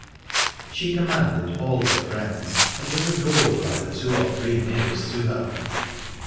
She commanded all her friends, and was adored by the two or three nearest to her.